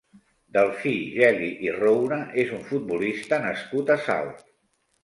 Delfí Geli i Roura és un futbolista nascut a Salt.